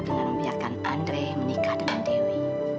dengan membiarkan andre menikah dengan dewi